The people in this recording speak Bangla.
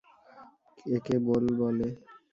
একে বোল বলে।